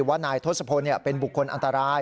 ว่านายทศพลเป็นบุคคลอันตราย